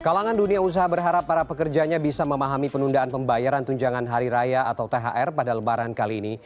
kalangan dunia usaha berharap para pekerjanya bisa memahami penundaan pembayaran tunjangan hari raya atau thr pada lebaran kali ini